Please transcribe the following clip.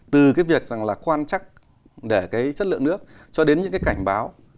từ cái việc rằng là quan trắc để cái chất lượng nước cho đến những cái cảnh báo